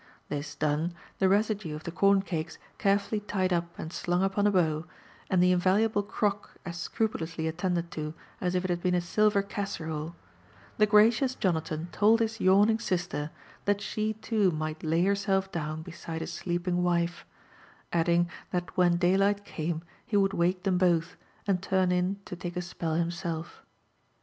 This done, the residue of the corn cakes carefully tied up and slung upon a bough, and the invaluable crock as scrupulously attended to as if it had been a silver casserole, the gracious Jonathan told his yawn ing sister that she too might lay herself down beside his sleeping wife ; adding, that when daylight came, he would wake them both, and turn in to take a spell himself.